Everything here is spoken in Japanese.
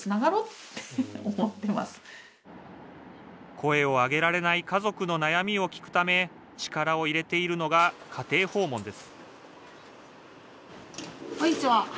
声を上げられない家族の悩みを聞くため力を入れているのが家庭訪問です